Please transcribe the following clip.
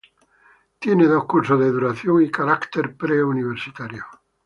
Tiene dos cursos de duración y carácter preuniversitario.